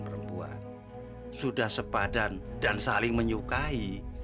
perempuan sudah sepadan dan saling menyukai